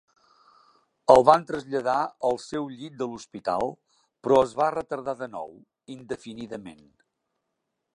El van traslladar al seu llit de l'hospital, però es va retardar de nou, indefinidament.